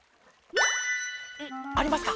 ありますか？